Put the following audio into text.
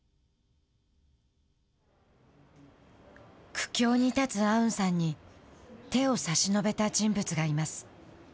苦境に立つアウンさんに手を差し伸べた人物がいます。